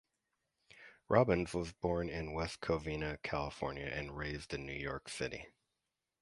Robbins was born in West Covina, California, and raised in New York City.